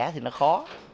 thì nó khó